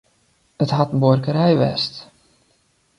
It hat in buorkerij west.